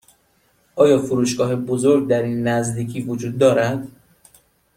آیا فروشگاه بزرگ در این نزدیکی وجود دارد؟